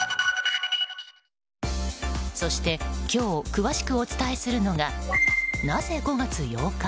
そして、今日詳しくお伝えするのがなぜ５月８日？